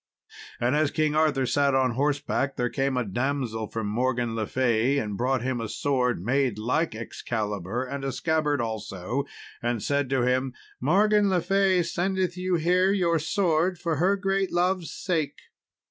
And as King Arthur sat on horseback, there came a damsel from Morgan le Fay, and brought to him a sword, made like Excalibur, and a scabbard also, and said to him, "Morgan le Fay sendeth you here your sword for her great love's sake."